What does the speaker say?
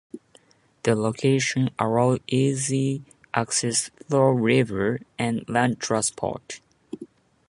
The location allowed easy access through river and land transport.